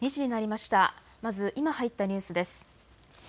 まず今入ったニュースです。